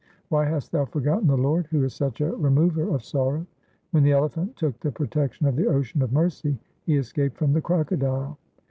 Why hast thou forgotten the Lord, who is such a Remover of sorrow ? When the elephant took the protection of the Ocean of mercy, he escaped from the crocodile.